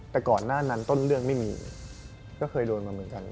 แต่ก่อนหน้านั้นต้นเรื่องไม่มีก็เคยโดนมาเหมือนกัน